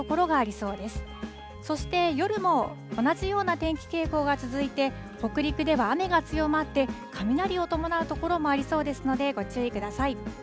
そして夜も同じような天気傾向が続いて、北陸では雨が強まって、雷を伴う所もありそうですので、ご注意ください。